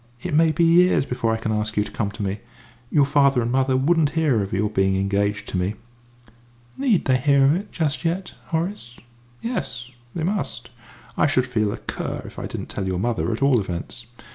It may be years before I can ask you to come to me. You father and mother wouldn't hear of your being engaged to me." "Need they hear of it just yet, Horace?" "Yes, they must. I should feel a cur if I didn't tell your mother, at all events."